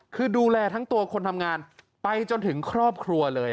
คือดูแลทั้งตัวคนทำงานไปจนถึงครอบครัวเลย